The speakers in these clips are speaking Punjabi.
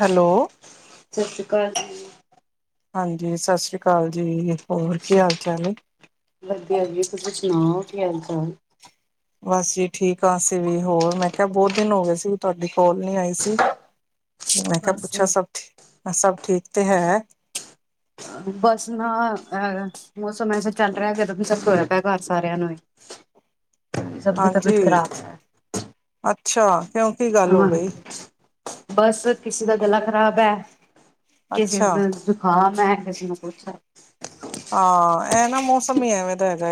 ਹੈਲੋ ਸਤਿ ਸ੍ਰੀ ਅਕਾਲ ਹਾਂਜੀ ਸਤਿ ਸ੍ਰੀ ਅਕਾਲ ਜੀ ਹੋਰ ਕੀ ਹਾਲ ਚਾਲ ਹੈ ਵਧੀਆ ਜੀ ਤੁਸੀਂ ਸੁਣਾਓ ਕੀ ਹਾਲ ਚਾਲ ਬਸ ਜੀ ਠੀਕ ਹਾਂਸੀਂ ਵੀ ਹੋਰ ਮੈਂ ਕਿਹਾ ਬਹੁਤ ਦਿਨ ਹੋ ਗਏ ਸੀ ਵੀ ਤੁਹਾਡੀ ਕੋਲ ਨੀ ਆਈ ਸੀ ਅਤੇ ਮੈਂ ਕਿਹਾ ਬਸ ਪੁੱਛਿਆ ਸਭਥ ਮ ਸਭ ਠੀਕ ਤੇ ਹੈ ਬਸ ਨਾ ਮੌਸਮ ਐਸੇ ਚੱਲ ਰਿਹਾ ਜਦੋਂ ਵੀ ਸ ਹੋਆ ਪਿਆ ਘਰ ਸਾਰਿਆਂ ਨੂੰ ਹੀ ਸਭਦੀ ਹਾਂਜੀ ਤਬੀਅਤ ਖ਼ਰਾਬ ਹੈ ਅੱਛਾ ਕਿਉਂ ਕੀ ਗੱਲ ਹੋ ਹ ਗਈ ਬੱਸ ਕਿਸੇ ਦਾ ਗਲਾ ਖਰਾਬ ਹੈ ਕਿਸੇ ਅੱਛਾ ਨੂੰ ਜੁਖਾਮ ਐ ਮੈਂ ਕਿਸੇ ਨੂੰ ਪੁੱਛਿਆ ਹਾਂ ਇਹ ਨਾ ਮੌਸਮ ਹੀ ਐਵੇਂ ਦਾ ਹੈਗਾ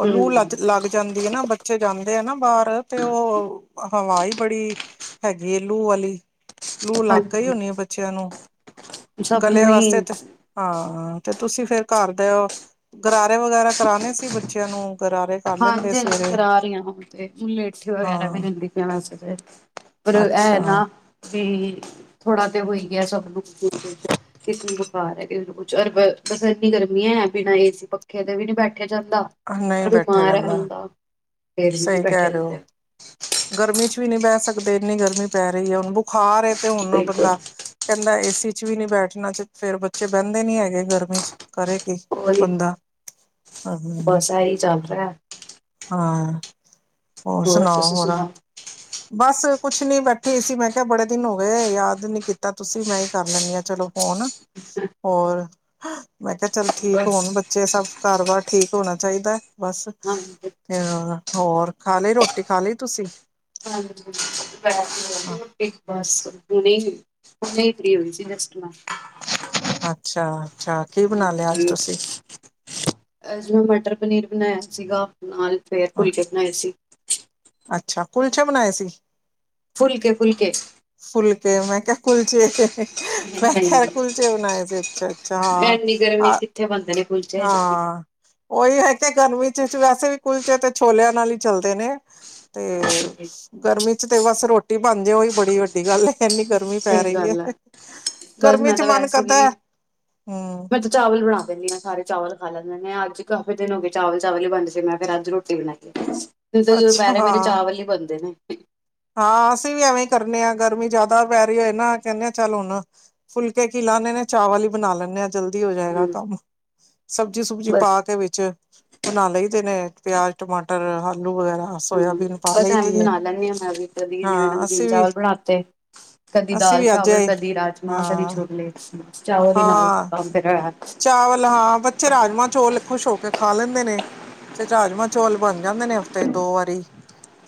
ਉਹ ਲੂ ਲੱ ਹਮ ਲੱਗ ਜਾਂਦੀ ਹੈ ਨਾ ਬੱਚ ਬੱਚੇ ਜਾਂਦੇ ਆ ਨਾ ਬਾਹਰ ਤੇ ਉਹ ਹਵਾ ਹੀ ਬੜੀ ਹੈਗੀ ਲੂ ਵਾਲੀ ਲੂ ਲੱਗ ਗਈ ਹਾਂਜੀ ਹੁਨੀ ਬੱਚਿਆਂ ਨੂੰ ਸਭ ਗਲੇ ਨੂੰ ਵਾਸਤੇ ਹੀ ਤੇ ਹਾਂ ਹਾਂ ਤੇ ਤੁਸੀਂ ਫੇਰ ਘਰ ਦੇ ਗਰਾਰੇ ਵਗੈਰਾ ਕਰਾਣੇ ਸੀ ਬੱਚਿਆਂ ਨੂੰ ਗਰਾਰੇ ਕਰ ਲੈਂਦੇ ਹਾਂਜੀ-ਹਾਂਜੀ। ਸਵੇਰੇ ਕਰਾ ਰਹੀਆਂ ਹਣੁ ਤੇ ਮਲਿਠੀ ਵਗੈਰਾ ਵੀ ਹਾਂ ਲੈਂਦੇ ਵੈਸੇ [unintelligible] ਪਰ ਇਹ ਅੱਛਾ ਨਾ ਵੀ ਥੋੜਾ ਤੇ ਹੋਈ ਗਿਆ ਸਭ ਕਿਸ ਨੂੰ ਬੁਖਾਰ ਏ। ਕਿਸ ਕੁਛ ਬਸ ਇੰਨੀ ਗਰਮੀ ਹੈ ਬਿਨਾਂ ਏਸੀ ਪੱਖੇ ਦੇ ਵੀ ਨੀ ਬੈਠੇ ਜਾਂਦਾ। ਨਹੀਂ [unintelligible] ਬੈਠਿਆ ਮਰਿਆ ਜਾਂਦਾ ਹੁੰਦਾ। ਏ ਸੀ ਤੇ ਸਹੀ ਬੈਠੇ ਕਹਿ ਰਹੇ ਰਹਿੰਦੇ ਹੋ ਉ ਗਰਮੀ ਚ, ਵੀ ਨਹੀਂ ਬਹਿ ਸਕਦੇ ਇੰਨੀ ਗਰਮੀ ਪੈ ਰਹੀ ਹੈ ਉਹਨੂੰ ਬੁ ਬੁਖਾਰ ਏ ਤੇ ਹੁਣ ਬਿਲਕੁਲ ਬੰਦਾ ਕਹਿੰਦਾ ਏਸੀ ਵੀ ਨੀ ਬੈਠਣਾ ਚ ਫੇਰ ਬੱਚੇ ਬਹਿੰਦੇ ਨੀ‌ ਹੈਗੇ ਗਰਮੀ ਚ, ਕੀ ਕਰੇ ਕੀ ਲੀ ਬੰਦਾ ਹੂੰ ਬਸ ਇਹ ਚਲ ਰਿਹਾ। [inaudible] ਹੋਰ ਸੁਣਾਉ ਹੋਰ। [unintelligible] ਬਸ ਕੁਛ ਨੀ ਬੈਠੀ ਸੀ, ਮੈਂ ਕਿਹਾ ਬੜੇ ਦਿਨ ਹੋ ਗਏ ਯਾਦ ਨੀ ਕੀਤਾ ਤੁਸੀਂ, ਮੈਂ ਹੀ ਕਰ ਲੈਣੀ ਆ ਚਲੋ, ਫੋਨ ਹੋਰ, ਮੈਂ ਕਿਹਾ ਚੱਲ ਠੀਕ ਬਸ ਹੋਣ ਬੱਚੇ ਸਭ। ਕਾਰੋਬਾਰ ਠੀਕ ਹੋਣਾ ਚਾਹੀਦਾ। ਬਸ ਹਾਂਜੀ ਤੇ ਹੋਰ ਖਾ ਲਈ ਰੋਟੀ ਖਾ ਲਈ ਤੁਸੀਂ। ਬਸ। ਹੁਣੇ ਹੁਨ ਫੀ ਹੋਈ ਸੀ ਰਸਟੇ ਕਰ ਰਹੇ ਸੀ। ਅੱਛਾ ਅੱਛਾ ਕੀ ਬਣਾ ਲਿਆ ਅੱਜ ਹਾਂਜੀ। ਤੁਸੀਂ ਅੱਜ ਮੈਂ ਮਟਰ ਪਨੀਰ ਬਣਾਇਆ ਸੀਗਾ। ਨਾਲ ਫਿਰ ਫੁਲਕੇ ਬਣਾਏ ਸੀ। ਅੱਛਾ ਕੁਲਚੇ ਬਣਾਏ ਸੀ। ਫੁਲਕੇ-ਫੁਲਕੇ। ਫੁਲਕੇ, ਮੈਂ ਕਿਆ ਕੁਲਚੇ ਮੈਂ ਕਿਹਾ ਨਹੀਂ ਕੁਲਚੇ ਬਣਾਏ ਸੀ। ਅੱਛਾ-ਅੱਛਾ ਐਨੀ ਗਰਮੀ ਚ ਹਾਂ। ਕਿੱਥੇ ਬਣਦੇ ਨੇ ਕੁਲਚੇ। ਹਾਂ ਉਹੀ। ਅੱਛਾ ਗਰਮੀ ਚ ਵੈਸੇ ਵੀ ਕੁਲਚੇ ਤੇ ਛੋਲਿਆਂ ਨਾਲ ਹੀ ਚੱਲਦੇ ਨੇ, ਤੇ ਹਾਂਜੀ। ਗਰਮੀ ਚ ਤੇ ਬਸ ਰੋਟੀ ਬਣ ਜਾ ਏ ਔਹੀ ਬੜੀ ਵੱਡੀ ਗੱਲ ਏ। ਐਨੀ ਗਰਮੀ ਪੈ ਸਹੀ ਰਹੀ ਐ, ਗੱਲ ਹੈ ਬਸ ਗਰਮੀ ਮੈਂ ਚ ਤਾਂ ਮਨ ਵੈਸੇ ਵੀ ਕਰਦਾ ਹੈ ਹੂੰ। ਮੈਂ ਤਾਂ ਚਾਵਲ ਬਣਾ ਦਿੰਦੀ ਹਾਂ ਸਾਰੇ ਚਾਵਲ ਖਾ ਲੈਂਦੇ ਨੇ, ਅੱਜ ਕਾਫੀ ਦਿਨ ਹੋ ਗੇ ਚਾਵਲ ਚਾਵਲ ਹੀ ਬਣਦੇ ਸੀ ਮੈਂ ਫਿਰ ਅੱਜ ਰੋਟੀ ਬਣਾਈ ਐ। [unintelligible] ਜ਼ੂਰ ਅੱਛਾ ਪੈਰੇ ਮੇਰੇ ਹਾਂ, ਚਾਵਲ ਈ ਬਣਦੇ ਨੇ। [inaudible] ਹਾਂ, ਅਸੀਂ ਵੀ ਐਵੇਂ ਈ ਕਰਨੇ ਆਂ ਗਰਮੀ ਜੈਦਾ ਪੈ ਰਹੀ ਹੈਏ ਨਾ ਕੈੰਦੇ ਆਂ ਚੱਲ ਹੁਣ ਫੁਲਕੇ ਕੀ ਲਾਣੇ ਨੇ ਚਾਵਲ ਈ ਬਣਾ ਲੈਂਣੇ ਆਂ। ਜਲਦੀ ਹੋ ਜਾਏਗਾ ਹੂੰ ਕੰਮ ਸਬਜ਼ੀ ਸੁਬਜੀ ਬਸ ਪਾ ਕੇ ਵਿੱਚ ਬਣਾ ਲਈ ਦੇਣੇ। ਪਿਆਜ ਟਮਾਟਰ ਹਰ ਹੂੰ, ਬਸ ਐਵੇਂ ਬਨਾ ਲੈਂਦੀ ਆਂ ਮੈਂ ਵੀ। ਕਦੀ ਜਿਵੇਂ ਹਾਂ ਨਮਕੀਨ ਅਸੀਂ ਵੀ ਚਾਵਲ ਬਣਾਤੇ ਕਦੀ ਅਸੀਂ ਦਾਲ ਵੀ ਅੱਜ ਚਾਵਲ ਆਏ ਕਦੀ ਰਾਜਮਾਂ ਕਦੀ ਹਾਂ ਛੋਲੇ। [inaudible] ਚਾਵਲ ਈ ਨਾਲ ਹਾਂ ਖਾਂਦੇ ਨੇ ਐ। ਚਾਵਲ ਹਾਂ ਬੱਚੇ ਰਾਜਮਾਂ ਚੋਲ ਖੁਸ਼ ਹੋ ਕੇ ਖਾ ਲੈਂਦੇ। ਨੇ ਤੇ ਚਾਜਮਾਂ ਚੌਲ ਬਣ ਜਾਂਦੇ ਨੇ ਹਫ਼ਤੇ ਚ ਦੋ ਵਾਰੀ।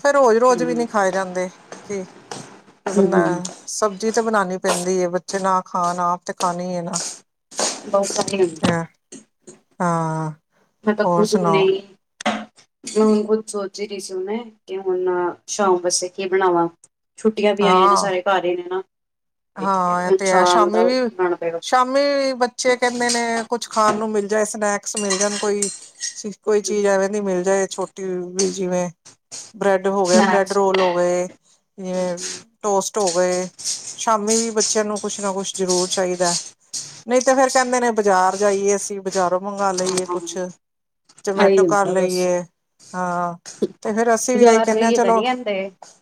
ਫੇਰ ਰੋਜ਼ ਰੋਜ਼ ਵੀ ਨੀ ਖਾਏ ਜਾਂਦੇ, ਕਿ ਫੇਰ ਬੰਦਾ ਸਬਜ਼ੀ ਤਾਂ ਬਣਾਣੀ ਪੈਂਦੀ ਏ। ਬੱਚੇ ਨਾ ਖਾਣ ਆਪ ਤੇ ਖਾਣੀ ਏ ਨਾ। ਬਸ ਐਹੀ ਹੂੰਦੈ। ਹਾਂ ਮਟਕ ਹੋਰ ਤੋ ਸੁਣਾਓ ਨਹੀਂ। ਮ ਹੁਣ ਕੁਛ ਸੋਚ ਹੀ ਰਹੀ ਸੀ, ਮੈਂ ਕਿ ਹੁਣ ਸ਼ਾਮ ਵਸੇ ਕੀ ਬਣਾਵਾਂ। ਛੁੱਟੀਆਂ ਵੀ ਆਈਆਂ ਨੇ ਹਾਂ ਸਾਰੇ ਘਰ ਹੀ ਨੇ ਨਾ। ਤੇ ਹਾਂ ਹੁਣ ਐਤੇ ਹੈ ਸ਼ਾਮ ਦਾ ਸ਼ਾਮੀ ਵੀ ਬਣਾਉਣਾ ਪਏਗਾ ਸ਼ਾਮੀ ਬੱਚੇ ਕੈੰਦੇ ਨੇ ਕੁਛ ਖਾਣ ਨੂੰ ਮਿਲ ਮਿਲ ਜਾਏ ਸਨੈਕਸ ਮਿਲ ਜਾਣ ਕੋਈ ਚੀਨ, ਕੋਈ ਚੀਜ਼ ਐਵੇਂ ਦੀ ਮਿਲ ਜਾਏ ਛੋਟੀ ਵੀ ਜਿਵੇਂ ਬ੍ਰੈਡ ਹੋ ਗਿਆ ਬ੍ਰੈਡ ਸਨੈਕਸ ਰੋਲ ਹੋ ਗਏ ਜਿਵੇਂ ਟੋਸਟ ਹੋ ਗਏ। ਸ਼ਾਮੀ ਵੀ ਬੱਚਿਆਂ ਨੂੰ ਕੁਛ ਕੁਛ ਨਾ ਕੁਛ ਜ਼ਰੂਰ ਚਾਹੀਦੈ ਨਹੀਂ ਤੇ ਫੇਰ ਕੈੰਦੇ ਨੇ ਬਜ਼ਾਰ ਜਾਈਏ ਅਸੀਂ ਬਜ਼ਾਰੋਂ ਹਾਂ, ਜਮੈਟੋ ਐਹੀ ਕਰ ਹੁੰਦਾ ਬਸ ਲਈਏ ਹਾਂ ਤੇ ਫੇਰ ਅਸੀਂ ਵੀ ਆਹੀ ਬਜ਼ਾਰ ਕਹਿੰਦੇ ਹਾਂ ਭਹੀਏ ਤਾਂ ਚਲੋ ਨੀ ਆਂਦੇ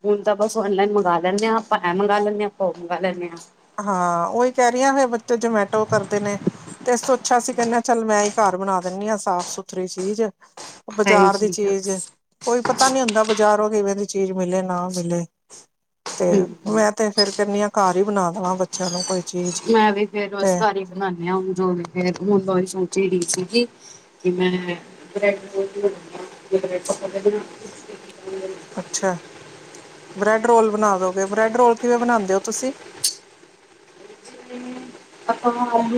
ਹੁਣ ਤਾਂ ਬਸ ਔਨਲਾਈਨ ਮੰਗਵਾ ਲੈਂਦੇ ਹਾਂ ਅਪਾਂ। ਐ, ਮੰਗਾ ਲੈਣੀ ਆਂ ਫੋਗ ਮੰਗਾ ਲੈਨੀ ਆਂ। ਹਾਂ, ਓਹੀ ਕੈ ਰੀਆਂ ਫੇਰ ਬੱਚੇ ਜਮੈਟੋ ਕਰਦੇ ਨੇ ਤੇ ਐਸ ਤੋਂ ਸੋਛਾ ਅਸੀ ਕੈੰਣੇ ਆ ਚੱਲ ਮੈਂ ਹੀ ਘਰ ਬਣਾ ਦਿੰਦੀ ਆਂ ਸਾਫ ਸੁਥਰੀ ਚੀਜ਼। ਸਹੀ ਬਜ਼ਾਰ ਦੀ ਆ ਚੀਜ਼ ਕੋਈ ਪਤਾ ਨੀ ਹੁੰਦਾ ਬ ਬਜਾਰੋ ਕਿਵੇਂ ਦੀ ਚੀਜ਼ ਮਿਲੇ ਨਾ ਮਿਲੇ ਤੇ ਹਮ ਮੈਂ ਤੇ ਫੇਿਰ ਕਹਨੀ ਹ ਘਰ ਹੀ ਬਣਾ ਮਾਂ, ਬੱਚਿਆਂ ਨੂੰ ਕੋਈ ਚੀਜ਼ ਮੈਂ ਵੀ ਫੇਰ, ਤੇ ਉਸ ਘਰ ਹੀ ਬਣਾਨਦੀ ਹਾਂ ਹੁਣ ਜੋ ਵੀ ਫੇਰ ਹੁਣ ਬ ਵੀ ਸੋਚਯਾ ਨੀ ਸੀ ਮੈਂ ਬੈ੍ਡ ਪਕੋੜੇ ਬਣਾਣੀ ਅੱਛਾ ਬ੍ਰੈਡ ਰੋਲ ਬਣਾ ਦੋਗੇ, ਬ੍ਰੈਡ ਰੋਲ ਕਿਵੇਂ ਬਣਾਉਦੇ ਹੋ ਤੁਸੀ? ਜਿਵੇਂ ਆਪਾਂ ਵਾਰ [unintelligible]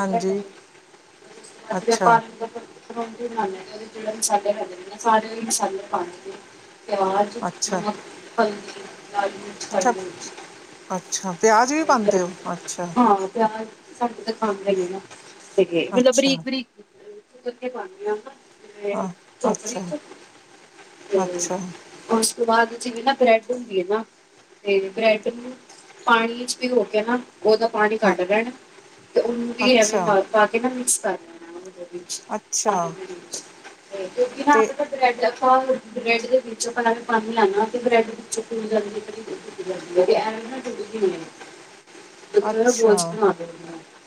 ਹਾਂਜੀ ਅੱਛਾ [unintelligible] ਦੇ ਜਿਹੜੇ ਮਸਾਲੇ ਖੜੇ, ਨੇ ਸਾਰੇ ਮਸਾਲੇ ਪਾਣੇ ਨੇ ਆਵਾਜ਼ ਹਾਂਜੀ ਅੱਛਾ ਲਾਲ ਮਿਰਚ, ਪਾਈ ਅੱਛਾ ਹੋਈ ਸੀ ਅੱਛਾ ਪਿਆਜ ਵੀ ਪਾਂਉਦੇ ਹੋ, ਅੱਛਾ ਪਿਆਜ਼ ਸਾਡੇ ਤਾਂ ਖਾਂਦੇ ਹੀ ਨਹੀ ਨਾ, ਹੈਗੇ ਮਤਲਬ, ਅੱਛਾ ਬਰੀਕ -ਬਰੀਕ ਕਿੱਥੇ ਪੁਰਾਣੀਆਂ ਅ ਯਾਦਾਂ ਅੱਛਾ, ਅੱਛਾ, [unintelligible] ਤੋਂ ਬਾਅਦ ਚ ਵੀ ਨਾ ਬ੍ਰੈਡ ਹੁੰਦੀ ਹੈ, ਨਾ ਤੇ ਬ੍ਰੈਡ ਨੂੰ ਪਾਣੀ ਭਿਗੋ ਕੇ ਨਾ ਉਹਦਾ ਪਾਣੀ ਅ ਕੱਢ ਲੈਣਾ, ਤੇ ਉਹਨੂੰ ਵੀ ਅੱਛਾ, ਐਵੇਂ ਨਾਲ ਪਾ ਕੇ ਨਾ ਮਿਕਸ [inaudible] ਅੱਛਾ ਹਾਂਜੀ ਕਿਉਂਕਿ ਨਾ ਤੇ ਬ੍ਰੇਡ ਦਾ [unintelligible] ਅੱਛਾ [unintelligible]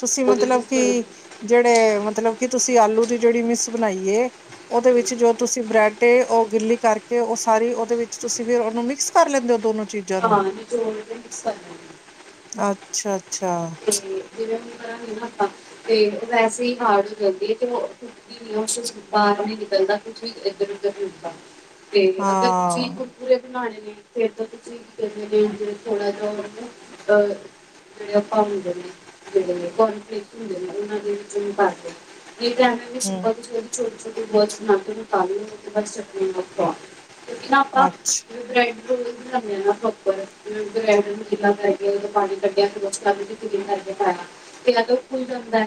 ਤੁਸੀਂ ਉਹਦੇ ਮਤਲਬ ਵਿੱਚ ਕਿ, ਥੋੜ੍ਹਾ- ਜਿਹੜੇ ਮਤਲਬ ਕੀ ਤੁਸੀਂ ਆਲੂ ਦੀ ਜਿਹੜੀ ਮਿਸ ਬਣਾਈ ਏ ਉਹਦੇ ਵਿੱਚ ਜੋ ਤੁਸੀਂ ਬ੍ਰੈਡ ਏ ਉਹ ਗਿੱਲੀ ਕਰਕੇ ਤੇ ਉਹ ਸਾਰੀ ਉਹਦੇ ਵਿੱਚ ਤੁਸੀਂ ਫਿਰ ਉਹਨੂੰ ਮਿਕਸ ਕਰ ਲੈਂਦੇ ਹੋ ਦੋਨੋ ਚੀਜ਼ਾਂ ਨੂੰ ਹਾਂਜੀ, ਦੋਨੋਂ ਮਿਕਸ ਕਰ ਲੈਨੇ ਆ ਅੱਛਾ, ਅੱਛਾ ਜਿਵੇਂ ਹੁਣ ਕਰਾਂਗੇ ਨੇ ਆਪਾਂ, ਤੇ ਉਹ ਵੈਸੇ ਹੀ ਹਾਰਡ ਹੋ ਜਾਂਦੀ ਹੈ ਤੇ ਉਹ ਟੁੱਟਦੀ ਨੀ, ਬਾਹਰ ਨੀ ਨਿਕਲਦਾ ਕੁਛ ਇਧਰ -ਉਧਰ ਨਹੀਂ ਟੁੱਟਦਾ। ਤੇ ਅਗਰ ਤੁਸੀਂ ਹਾਂ ਕੁਰਕੁਰਰੇ ਬਣਾਣੇ। ਫੇਰ ਤੇ ਤੁਸੀਂ ਕੀ ਕਦੇ ਥੋੜਾ ਜਿਹਾ ਜਿਹੜੇ। ਆ ਹੁੰਦੇ ਨੇ ਜਿਹੜੇ ਕੋਨਫਿਲਕ ਹੁੰਦੇ ਨੇ ਉਨ੍ਹਾ ਦੇ ਵਿੱਚ। ਇਹ ਜਾਣੇ ਨੇ ਹੂੰ ਸਪੰਜ ਵਿੱਚੋਂ। ਕਿਉਂ ਕੀ ਨਾਤਾ ਅੱਛਾ ਪ੍ਰੋਪਰ ਹੈਲਾ ਕਰਕੇ ਪਾਣੀ ਕੱਢਿਆ। [unintelligible] ਕਰਕੇ ਕਿੰਨਾ ਕੁ ਖੁੱਲ ਜਾਂਦਾ।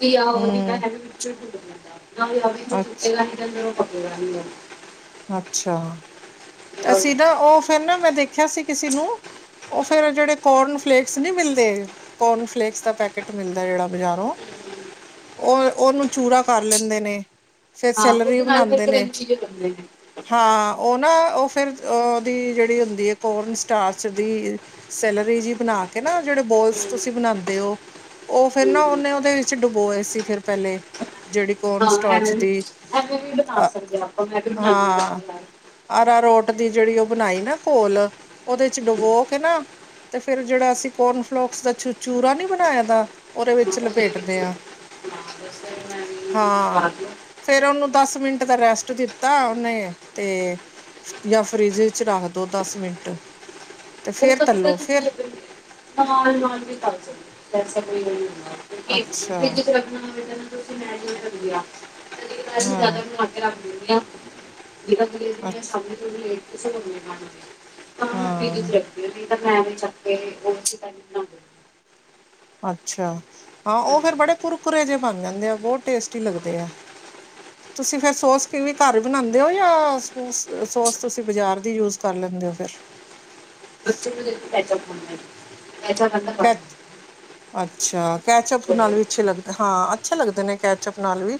ਵੀ ਆਹੋ ਜਿੰਨਾਂ ਵੀ ਹੂੰ ਹੈ ਵਿੱਚੋਂ ਹੁੰਦਾ। ਕਹਿੰਦਾ। [unintelligible] - [unintelligible] ਅੱਛ ਤੇ ਆਹੀ ਹੈ। ਅੱਛਾ। ਤੇ ਅਸੀਂ ਨਾ ਉਹ ਫੇਰ ਨਾ ਮੈਂ ਦੇਖਿਆ ਸੀ ਕਿਸੇ ਨੂੰ ਉਹ ਫੇਰ ਜਿਹੜੇ ਕੋਰਨ। ਫਲੇਕਸ ਨਹੀਂ ਮਿਲਦੇ ਕੋਰਨ ਫਲੇਕਸ ਦਾ ਪੈਕੇਟ ਮਿਲਦਾ ਜਿਹੜਾ। ਬਜ਼ਾਰੋਂ ਉਹ ਉਹਨੂੰ ਚੂਰਾ ਕਰ ਲੈ। ਹੁੰਦੇ ਨੇ। ਫੇਰ ਹਾਂ ਸੈਲਰੀ ਉਹਦੇ ਨਾਲ ਫਿਰ ਬਣਾਉਦੇ ਨੇ ਕਰੰਚੀ ਜਿਹੇ ਬਣਦੇ ਨੇ ਹਾਂ ਉਹ ਨਾ ਉਹ। ਅ ਦੀ ਜਿਹੜੀ ਹੁੰਦੀ ਹੈ ਕੋਰਨ ਸਟਾਰ ਦੀ ਸੈਲਰੀ ਜੀ ਬਣਾ ਕੇ ਨਾ। ਜਿਹੜੇ ਬੋਲਸ ਤੁਸੀਂ ਬਣਾਉਂਦੇ ਹੋ ਉਹ ਫੇਰ ਨਾ ਉਹਨੇ ਉਹਦੇ ਵਿੱਚ ਡੁਬੋਏ ਸੀ ਫਿਰ ਪਹਿਲੇ ਜਿਹੜੀ ਕੋਨ ਹਾਂ ਸਟੋਚ ਐਵੇਂ ਵੀ ਦੀ ਐਵੇਂ ਵੀ ਬਣਾ ਅ ਸਕਦੇ ਆ ਆਪਾਂ ਮੈਂ ਵੀ ਬਣਾਉਂਦੀ ਹਾਂ ਕਦੇ ਕਦਾਰ। ਆਰਾ ਰੋਟ। ਕਦੀ ਜਿਹੜੀ ਉਹ ਬਣਾਈ ਨਾ ਘੋਲ ਉਹਦੇ ਚ ਡੁਬੋ ਕੇ ਨਾ ਤੇ। ਫੇਰ ਜਿਹੜਾ ਅਸੀਂ ਕੋਰਨਫਲੋਕਸ ਦਾ ਚ ਚੂਰਾ ਨੀ ਬਣਾਇਆ ਦਾ। ਉਹਦੇ ਵਿੱਚ ਹਾਂ ਉਹਦੇ ਲਪੇਟਦੇ ਵਿੱਚ ਆ ਹਾਂ ਬਸ ਫਿਰ ਮੈਂ ਵੀ ਹਾਂ ਬਾਅਦ ਨੂੰ ਫੇਰ ਉਹਨੂੰ ਦਸ ਮਿੰਟ ਦਾ ਰੈਸਟ ਦਿੱਤਾ ਉਹਨੇ। ਤੇ। ਜਾਂ ਫਰਿਜ ਵਿੱਚ ਰੱਖ ਦੋ ਦਸ ਮਿੰਟ। ਤੇ ਉਹ ਫੇਰ ਤਾਂ ਪਤਾ ਤਲੋ ਤੁਸੀ ਫੇਰ ਨਾਲ ਨਾਲ ਵੀ ਕਰ ਸਕਦੇ ਹੋ। [unintelligible] ਹੂੰ। ਅੱਛਾ ਫਰਿੱਜ ਚ ਰੱਖਣਾ ਹੋਵੇ ਤਾਂ। ਤੇ ਮੈਂ ਜਿਵੇਂ ਦਿਆਂ। [unintelligible] ਕਦੀ ਕਦਾਈਂ ਅਸੀਂ ਹਾਂ ਜ਼ਿਆਦਾ ਬਣਾ ਕੇ ਰੱਖ ਦਿੰਨੇ। ਕਿਉਂ। ਕਈ ਵਾਰੀ ਤਾਂ ਕਹੇ ਅੱ ਦਿੰਨੀ ਸ਼ਾਮੀ ਤੋਂ ਵੀ ਲੇਟ। ਕਿਸੇ ਹੋਰ ਨੇ ਖਾਣੀ ਹੁੰਦੀ ਹੈ। ਹਾਂ ਮੈਂ ਫੇਰ ਦੂਸਰੇ। ਤੇ ਮੈਂ ਵੀ ਚੁੱਕ ਕੇ [unintelligible] ਛਾ ਹਾਂ ਉਹ ਹਾਂਜੀ। ਫੇਰ ਬੜੇ ਹਾਂ। ਕੁਰਕੁਰੇ ਜਿਹੇ ਬਨ ਜਾਂਦੇ ਐਂ ਅੱਗੋ ਟੇਸਟੀ ਲੱਗਦੇਆ ਤੁਸੀਂ ਫਿਰ ਸੋਸ ਕਿਵੇਂ ਘਰ ਹੀ ਬਨਾਉਂਦੇ ਹੋ ਯਾ ਸੋਸ ਸੋਸ ਤੁਸੀ ਬਾਜਾਰ ਦੀ ਯੂਜ਼ ਕਰ ਲੈਂਦੇ ਹੋ ਫਿਰ। ਬੱਚੇ ਨੂੰ ਦੇਖ ਕੇ ਪਹਿਚਾਨ ਜਾਂਦੇ ਨੇਂ। ਇਹ ਤੇ ਓਹਨਾਂ ਦਾ ਕੰਮ ਕੈ ਅੱਛਾ ਕੈਚਅਪ ਨਾਲ ਵੀ ਅੱਛੇ ਲੱਗਦੇ ਹਾਂ। ਅੱਛੇ ਲੱਗਦੇ ਨੇ ਕੈਚਅਪ ਨਾਲ ਵੀ।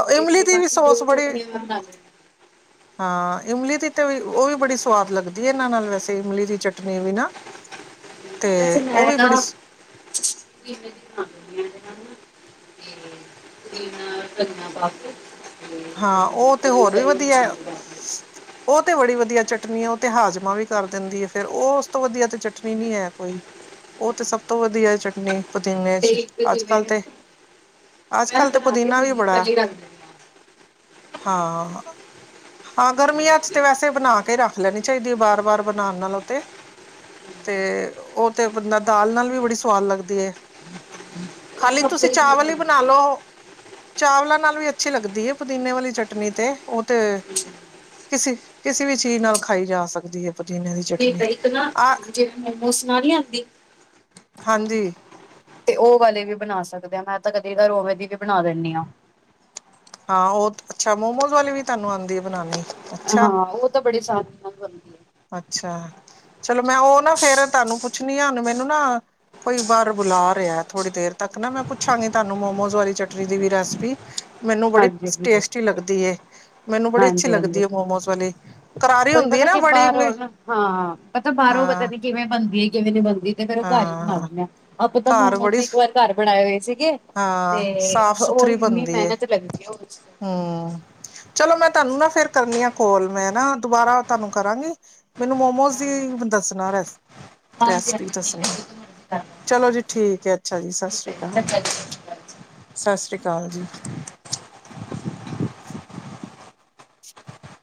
ਔ ਇਮਲੀ ਤੇ ਦੀ ਵੀ ਬਾਕੀ ਸੋਸ ਦੋ ਬੜੀ ਚਟਨੀਆਂ ਮੈਂ ਬਣਾ ਲੈਂਦੀ ਹਾਂ ਇਮਲੀ ਦੀ ਤੇ ਵਿ ਉਹ ਵੀ ਬੜੀ ਸਵਾਦ ਲੱਗਦੀ ਹੈ ਇਹਨਾਂ ਨਾਲ ਵੈਸੇ ਇਮਲੀ ਦੀ ਚਟਨੀ ਵੀ ਨਾ। ਤੇ ਹਾਂ। ਵੈਸੇ ਉਹ ਮੈਂ ਵੀ ਬੜੀ ਸ [unintelligible] ਤੇ ਤਿੰਨ ਗਈਆਂ ਬੱਸ ਹਾਂ ਉਹ ਤੇ ਹੋਰ ਵੀ ਵਧੀਆ ਐ ਪਾ ਕੇ ਉਹ ਤੇ ਬੜੀ ਵਧੀਆ ਚਟਨੀ ਹੈ ਉਹ ਤੇ ਹਾਜਮ ਮਾਂ ਵੀ ਕਰ ਦਿੰਦੀ ਹੈ ਫੇਰ ਔਸ ਤੋ ਵਧੀਆ ਤੇ ਚਟਨੀ ਨੀ ਹੈ ਕੋਈ ਉਹ ਤੇ ਸਭ ਤੋ ਵਧੀਆ ਏ ਚਟਨੀ। ਪੁਦੀਨੇ ਤੇ ਚ ਇੱਕ ਅੱਜ ਜਿਵੇਂ ਕੱਲ ਤੇ ਮੈਂ ਅੱਜ ਨਾ ਕੱਲ ਤੇ ਬਣਾ ਕੇ ਪੁਦੀਨਾ ਵੀ ਫਿਰ ਬੜਾ ਪਹਿਲੇ ਹੀ ਰੱਖ ਦਿੰਦੀ ਹਾਂ ਹਾਂ ਹਾਂ ਗਰਮੀਆਂ ਚ ਤੇ ਵੈਸੇ ਬਨਾ ਕੇ ਤੇ ਰੱਖ ਲੈਨੀ ਚਾਹੀਦੀ ਹੈ ਬਾਰ ਬਾਰ ਬਨਾਉਨ ਨਾਲੋ ਤੇ ਤੇ ਉਹ ਤੇ ਬੰਦਾ ਦਾਲ ਨਾਲ ਵੀ ਬੜੀ ਸਵਾਦ ਲੱਗਦੀ ਹੈ। ਤੇ ਉਹ ਤਾਂ ਖਾਲੀ ਸਭ ਤੁਸੀ ਤਰੀਕੇ ਨਾਲ ਚਾਵਲ ਹੀ ਬਨਾ ਬਣਦੀ ਹੈ ਲਓ। ਚਾਵਲਾਂ ਨਾਲ ਵੀ ਅੱਛੀ ਲੱਗਦੀ ਹੈ। ਪੁਦੀਨੇ ਵਾਲੀ ਚਟਨੀ ਤੇ ਉਹ ਤੇ ਕਿਸੀ ਕਿਸੀ ਵੀ ਚੀਜ ਨਾਲ ਖਾਈ ਜਾ ਸਕਦੀ ਹੈ। ਪੁਦੀਨੇ ਦੀ ਨਹੀਂ ਚਟਨੀ ਤੇ ਇੱਕ ਨਾ ਆ ਜਿਵੇਂ ਮੋਮੋਜ਼ ਨਾਲ ਨੀ ਆਂਦੀ। ਹਾਂਜੀ ਤੇ ਉਹ ਵਾਲੇ ਵੀ ਬਨਾ ਸਕਦੇਆਂ ਮੈਂ ਤੇ ਇੱਕ ਅੱਧੀ ਵਾਰ ਓਵੇਂ ਦੀ ਵੀ ਬਣਾ ਦਿੰਦੀਆਂ। ਹਾਂ ਉਹ ਤੇ ਅੱਛਾ ਮੋਮੋਜ਼ ਵਾਲੀ ਵੀ ਤੁਹਾਨੂੰ ਆਉਂਦੀ ਹੈ ਬਨਾਉਨੀ। ਅ ਹਾਂ ਉਹ ਤਾ ਬੜੇ ਸਾਰੇ [unintelligible] ਬਨ ਦੀ ਹੈ ਅੱਛਾ ਚਲੋ ਮੈਂ ਉਹ ਨਾ ਫੇਰ ਤੁਹਾਨੂੰ ਪੁੱਛਨੀ ਆਂ ਹੁੰਨੇ ਮੈਨੂੰ ਨਾ ਕੋਈ ਬਾਹਰ ਬੁਲਾ ਰਿਹਾ ਏ ਥੋੜ੍ਹੀ ਦੇਰ ਤੱਕ ਨਾ ਮੈਂ ਪੁੱਛਾਂਗੀ ਤੁਹਾਨੂੰ ਮੋਮੋਜ਼ ਵਾਲੀ ਚਟਨੀ ਦੀ ਵੀ ਰੈਸਪੀ। ਮੈਨੂੰ ਬੜੀ ਹਾਂਜੀ ਸ ਹਾਂਜੀ ਟੇਸਟੀ ਲੱਗਦੀ ਐਂ। ਮੈਨੂੰ ਬੜੀ ਅੱਛੀ ਹਾਂਜੀ ਲੱਗਦੀ ਹੈ ਹਾਂਜੀ ਮੋਮੋਜ਼ ਵਾਲੀ ਕਰਾਰੀ ਉਹੀ ਹੁੰਦੀ ਹੈ ਪਤਾ ਨਾ ਬੜੀ। [unintelligible] ਨਾ ਹਾਂ ਪਤਾ ਬਾਹਰੋਂ ਪਤਾ ਹਾਂ ਨੀ ਕਿਵੇਂ ਬਨਦੀ ਐ। ਕਿਵੇਂ ਦੀ ਬੰ ਨੀ ਤੇ ਫੇਰ ਓਹ ਘਰ ਈ ਬਣਾ ਹਾਂ ਲੈਂਣੇ ਆ। ਆਪਾਂ ਤਾਂ ਘਰ ਮੋਮੋਜ਼ ਬੜੀ ਵੀ ਇੱਕ ਵਾਰ ਘਰ ਬਣਾਏ ਹੋਏ ਸੀਗੇ ਹਾਂ ਤੇ ਹ ਓਹ ਇੰਨੀ ਮੈਨਤ ਲੱਗਦੀ ਐ ਓਦ ਹੂੰ, ਚਲੋ ਮੈਂ ਤਾਨੂੰ ਨਾ ਫੇਰ ਕਰਨੀਆਂ ਕੋਲ। ਮੈਂ ਨਾ ਦੁਬਾਰਾ ਤਾਨੂੰ ਕਰਾਂਗੀ ਮੈਨੂੰ ਮੋਮੋਸ ਦੀ ਦੱਸਣਾ ਰੈਸਪੀ ਹਾਂਜੀ ਰੈਸਪੀ ਹਾਂਜੀ ਠੀਕ ਹੈ ਦੱਸਣਾ, ਜੀ, ਜੋ ਮਰਜ਼ੀ ਕਰ ਲਓ ਚਲੋ ਜੀ ਠੀਕ ਹੈ, ਅੱਛਾ ਜੀ ਸਤਿ ਠੀਕ ਸ੍ਰੀ ਹੈ ਕਾਲ, ਚੰਗਾ ਜੀ ਸਤਿ ਸ਼੍ਰੀ ਅਕਾਲ ਜੀ। ਸਤ ਸ੍ਰੀ ਕਾਲ ਜੀ। [inaudible]